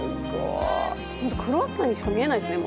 本当クロワッサンにしか見えないですね